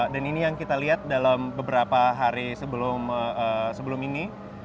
dan ini yang kita lihat dalam beberapa hari sebelum ini